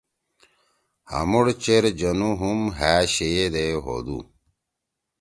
ہامُوڑ چیر جنُو ہُم ہأ شیئے دے ہودُو۔